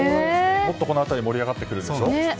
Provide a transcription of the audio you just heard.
もっとこの辺り盛り上がってくるんでしょ。